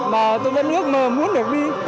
mà tôi vẫn ước mơ muốn được đi